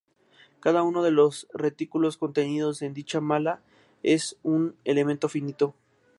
Cada uno de los retículos contenidos en dicha malla es un "elemento finito".